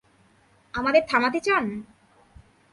আমাদের থামাতে চান?